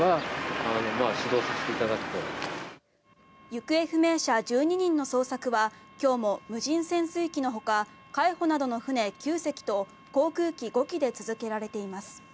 行方不明者１２人の捜索は今日も無人潜水機のほか海保などの船９隻と航空機５機で続けられています。